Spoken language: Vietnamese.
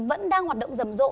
vẫn đang hoạt động rầm rộ